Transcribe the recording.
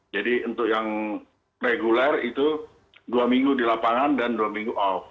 jadi untuk yang reguler itu dua minggu di lapangan dan dua minggu off